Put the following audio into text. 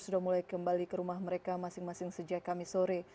sudah mulai kembali ke rumah mereka masing masing sejak kamis sore